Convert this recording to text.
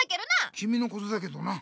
きみのことだけどな。